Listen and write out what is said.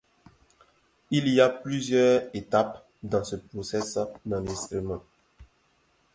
Il y a plusieurs étapes dans ce process d'enregistrement.